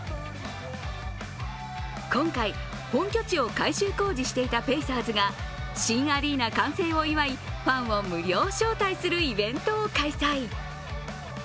今回、本拠地を改修工事していたペイサーズが、新アリーナ完成を祝い、ファンを無料招待するイベントを開催。